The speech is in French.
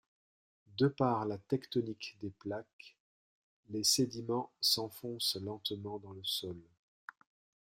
De par la tectonique des plaques, les sédiments s'enfoncent lentement dans le sol.